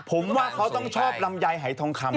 ผมว่าเขาต้องชอบลำไยหายทองคำ